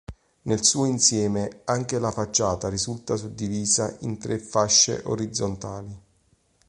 Nel suo insieme anche la facciata risulta suddivisa in tre fasce orizzontali.